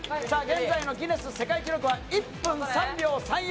さあ、現在のギネス世界記録は１分３秒３４。